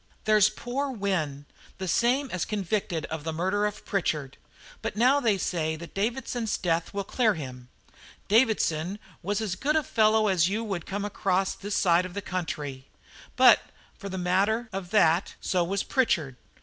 There's poor Wynne, the same thing as convicted of the murder of Pritchard; but now they say that Davidson's death will clear him. Davidson was as good a fellow as you would come across this side of the country; but for the matter of that, so was Pritchard.